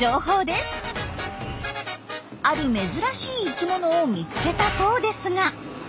ある珍しい生きものを見つけたそうですが。